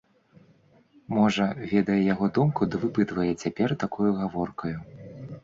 Можа, ведае яго думку ды выпытвае цяпер такою гаворкаю?